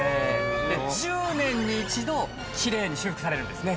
１０年に一度、きれいに修復されるんですね。